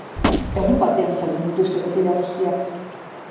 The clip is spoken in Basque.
Egun batean saltzen dituzte botila guztiak.